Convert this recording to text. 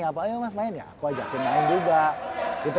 ayo mas main ya aku ajakin main juga gitu